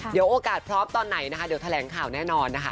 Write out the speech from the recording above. เดี๋ยวโอกาสพร้อมตอนไหนนะคะเดี๋ยวแถลงข่าวแน่นอนนะคะ